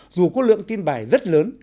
dù có lượng tin bài rất lớn